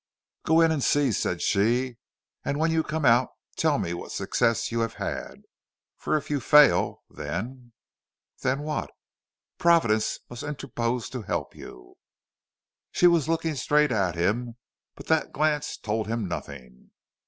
"Go in and see," said she, "and when you come out tell me what success you have had. For if you fail, then " "Then what " "Providence must interpose to help you." She was looking straight at him, but that glance told him nothing.